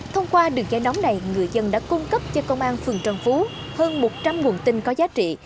thông qua đường dây nóng này người dân đã cung cấp cho công an phường trần phú hơn một trăm linh nguồn tin có giá trị